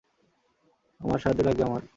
তোমার সাহায্য লাগবে আমার।